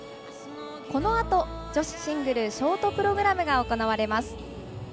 このあと女子シングルショートプログラムが行われます。